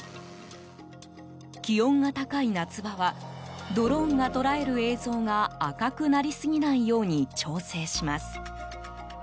気温が高い夏場はドローンが捉える映像が赤くなりすぎないように調整します。